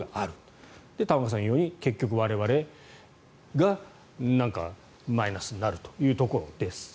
玉川さんが言うように結局我々がマイナスになるというところです。